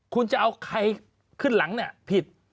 คุณจะเอาใครขึ้นหลังเนี่ยผิด